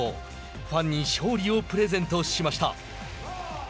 ファンに勝利をプレゼントしました。